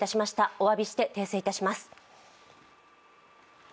お詫びして訂正いたします。